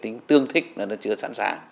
chính vì vậy cần phải có một quá trình